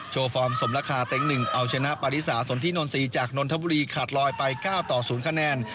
โชว์ฟอร์มสมราคาเต็ก๑เอาชนะปริศาสนที่นท์๔จากนทบุรีขาดลอยไป๙ต่อ๐คะแนน